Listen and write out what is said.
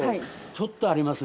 ちょっとあります。